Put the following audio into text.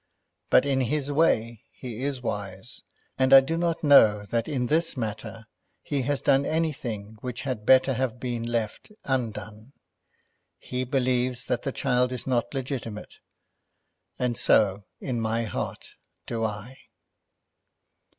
But in his way he is wise, and I do not know that in this matter he has done anything which had better have been left undone. He believes that the child is not legitimate; and so in my heart do I.